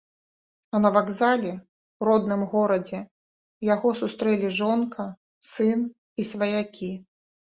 А на вакзале ў родным горадзе яго сустрэлі жонка, сын і сваякі.